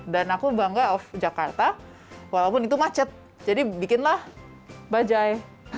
dan aku bangga of jakarta walaupun itu macet jadi bikinlah bajai